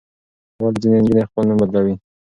ولې ځینې نجونې خپل نوم بدلوي؟